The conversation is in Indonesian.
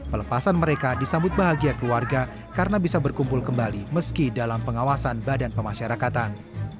pelepasan mereka disambut bahagia keluarga karena bisa berkumpul kembali meski dalam pengawasan badan pemasyarakatan